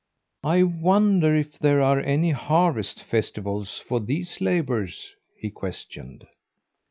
"I wonder if there are any harvest festivals for these labourers?" he questioned.